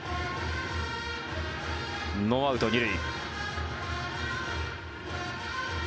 ノーアウト２塁。